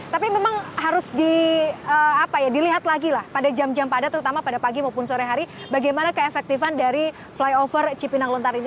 tapi memang harus dilihat lagi lah pada jam jam padat terutama pada pagi maupun sore hari bagaimana keefektifan dari flyover cipinang lontar ini